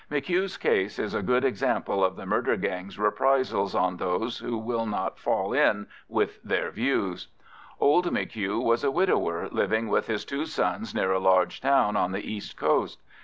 M'Hugh's case is a good example of the murder gang's reprisals on those who will not fall in with their views. Old M'Hugh was a widower living with his two sons near a large town on the east coast.